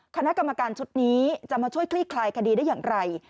คณะกรรมการชุดนี้จะมาช่วยคลี่คลายคดีได้อย่างไร